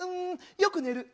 よく寝る。